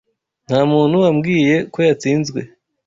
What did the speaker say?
Nta muntu wambwiye ko yatsinzwe.